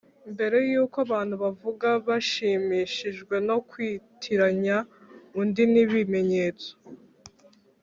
“mbere yuko abantu bavuga, bashimishijwe no kwitiranya undi n'ibimenyetso